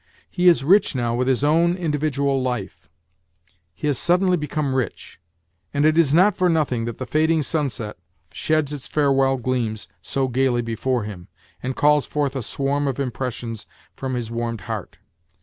He is rich now with his own individual life ; he has suddenly become rich, and it is not for nothing that the fading sunset sheds its farewell gleams so gaily before him, and calls forth a swarm of impressions from his warmed heart.